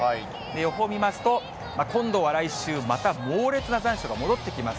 予報見ますと、今度は来週、また猛烈な残暑が戻ってきます。